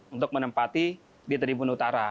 untuk menempati di tribun utara